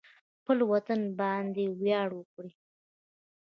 خپل وطن باندې ویاړ وکړئ